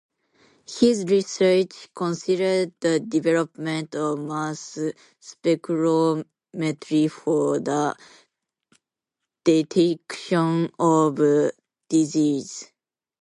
His research considers the development of mass spectrometry for the detection of disease.